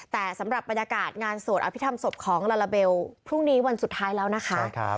แต่สำหรับบรรยากาศงานสวดอภิษฐรรมศพของลาลาเบลพรุ่งนี้วันสุดท้ายแล้วนะคะ